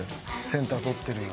センター取ってるよ。